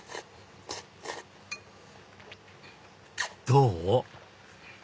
どう？